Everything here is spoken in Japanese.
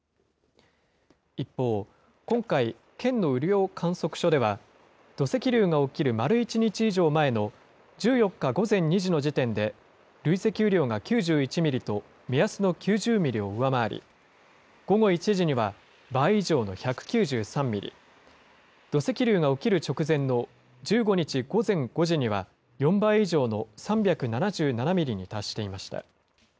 一方、今回、県の雨量観測所では、土石流の起きる丸１日以上前の１４日午前２時の時点で、累積雨量が９１ミリと目安の９０ミリを上回り、午後１時には倍以上の１９３ミリ、土石流が起きる直前の１５日午前５時には４倍以上の３７７ミリに達していました。